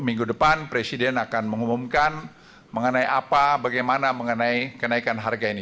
minggu depan presiden akan mengumumkan mengenai apa bagaimana mengenai kenaikan harga ini